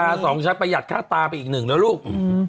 สองชั้นประหยัดค่าตาไปอีกหนึ่งแล้วลูก